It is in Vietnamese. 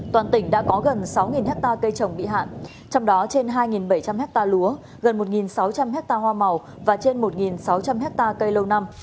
toàn tỉnh đã có gần sáu hectare cây trồng bị hạn trong đó trên hai bảy trăm linh hectare lúa gần một sáu trăm linh hectare hoa màu và trên một sáu trăm linh hectare cây lâu năm